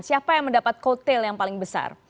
siapa yang mendapat kotel yang paling besar